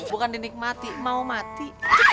bukan dinikmati mau mati